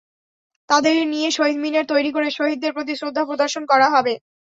তাদের নিয়ে শহীদ মিনার তৈরি করে শহীদদের প্রতি শ্রদ্ধা প্রদর্শন করা হবে।